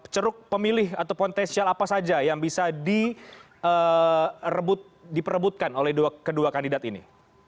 ceruk pemilih atau potensial apa saja yang bisa diperebutkan oleh kedua kandidat ini